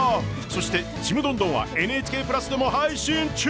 そして「ちむどんどん」は「ＮＨＫプラス」でも配信中！